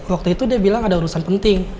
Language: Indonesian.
waktu itu dia bilang ada urusan penting